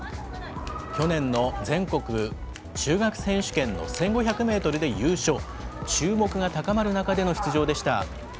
去年の全国中学選手権の１５００メートルで優勝、注目が高まる中